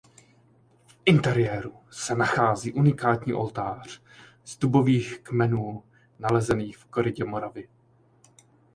V interiéru se nachází unikátní oltář z dubových kmenů nalezených v korytě Moravy.